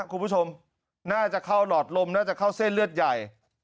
คุณผู้ชมน่าจะเข้าหลอดลมน่าจะเข้าเส้นเลือดใหญ่